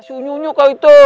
masih unyu unyu kau itu